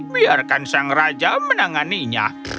biarkan sang raja menanganinya